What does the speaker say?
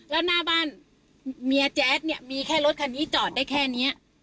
แล้วหน้าบ้านเมียแจ๊ดเนี่ยมีแค่รถคันนี้จอดได้แค่นี้